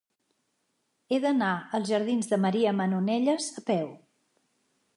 He d'anar als jardins de Maria Manonelles a peu.